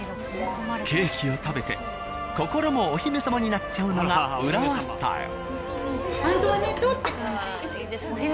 ケーキを食べて心もお姫様になっちゃうのが浦和スタイル。